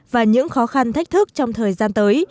và những khó khăn thách thức trong thời gian tới